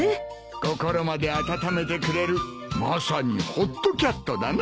心まで温めてくれるまさにホットキャットだな。